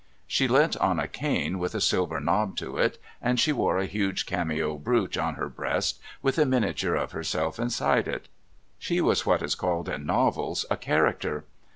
She leant on a cane with a silver knob to it, and she wore a huge cameo brooch on her breast with a miniature of herself inside it. She was what is called in novels "a character."